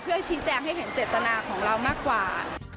ชี้แจงให้เห็นเจตนาของเรามากกว่า